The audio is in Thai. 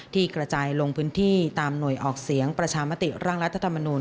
ที่กระจายลงพื้นที่ตามหน่วยออกเสียงประชามติร่างรัฐธรรมนูล